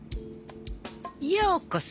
ようこそ。